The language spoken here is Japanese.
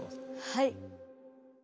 はい。